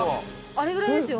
あれくらいですよ？